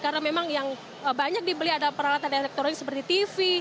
karena memang yang banyak dibeli adalah peralatan elektronik seperti tv